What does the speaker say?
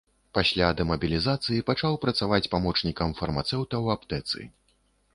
Пасля дэмабілізацыі пачаў працаваць памочнікам фармацэўта ў аптэцы.